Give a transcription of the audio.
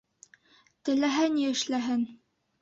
Теләһә ни эшләһен!